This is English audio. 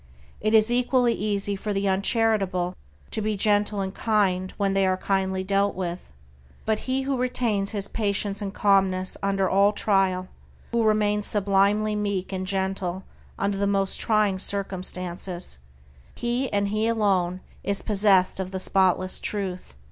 It is equally easy for the uncharitable to be gentle and kind when they are dealt kindly with, but he who retains his patience and calmness under all trial, who remains sublimely meek and gentle under the most trying circumstances, he, and he alone, is possessed of the spotless Truth.